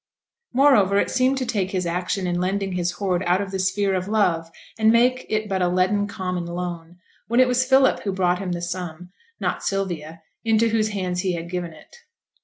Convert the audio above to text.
Moreover, it seemed to take his action in lending his hoard out of the sphere of love, and make it but a leaden common loan, when it was Philip who brought him the sum, not Sylvia, into whose hands he had given it.